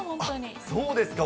そうですか。